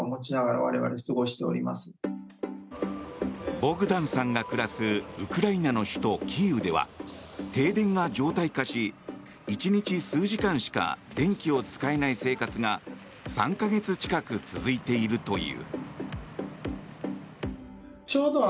ボグダンさんが暮らすウクライナの首都キーウでは停電が常態化し、１日数時間しか電気を使えない生活が３か月近く続いているという。